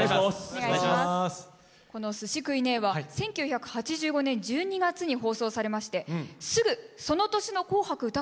この「スシ食いねェ！」は１９８５年１２月に放送されましてすぐその年の「紅白歌合戦」で歌われたんですね。